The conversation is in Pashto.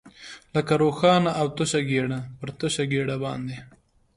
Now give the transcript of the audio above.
لکه روښانه او تشه ګېډه، پر تشه ګېډه باندې.